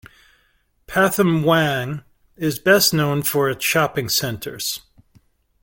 Pathum Wan is best known for its shopping centers.